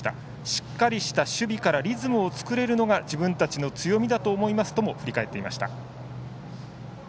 しっかりした守備からリズムを作れるのが自分たちの強みだと思いますと振り返っていました。